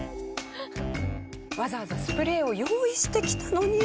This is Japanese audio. わざわざスプレーを用意してきたのに。